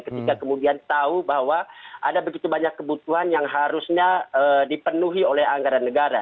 ketika kemudian tahu bahwa ada begitu banyak kebutuhan yang harusnya dipenuhi oleh anggaran negara